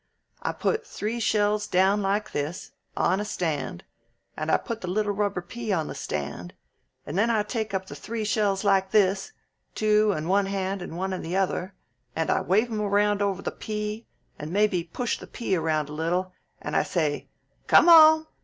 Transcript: I put three shells down like this, on a stand, and I put the little rubber pea on the stand, and then I take up the three shells like this, two in one hand and one in the other, and I wave 'em around over the pea, and maybe push the pea around a little, and I say, 'Come on!